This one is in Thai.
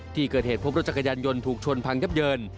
ที่เกิดเหตุพบรถจักรยานยนต์ถูกชนพังยับเยิน